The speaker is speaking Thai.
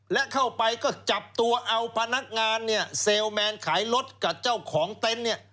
และเข้าไปก็จับตัวเอาพนักงานเนี่ยเซลล์แมนขายรถกับเจ้าของเต็นต์เนี่ย